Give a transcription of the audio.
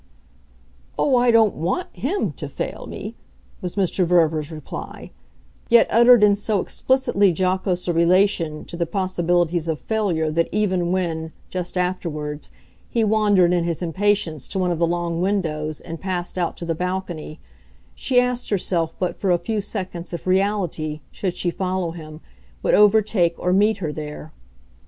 "Oh, I don't want HIM to fail me!" was Mr. Verver's reply; yet uttered in so explicitly jocose a relation to the possibilities of failure that even when, just afterwards, he wandered in his impatience to one of the long windows and passed out to the balcony, she asked herself but for a few seconds if reality, should she follow him, would overtake or meet her there.